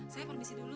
saya permisi dulu